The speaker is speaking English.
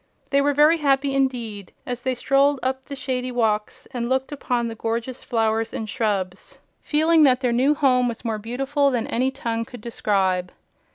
They were very happy indeed as they strolled up the shady walks and looked upon the gorgeous flowers and shrubs, feeling that their new home was more beautiful than any tongue could describe.